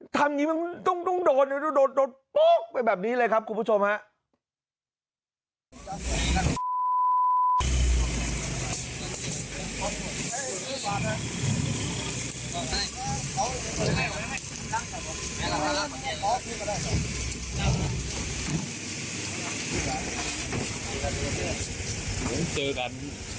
ทำอย่างนี้มันต้องโดนต้องโดนโป๊กไปแบบนี้เลยครับคุณผู้ชมฮะ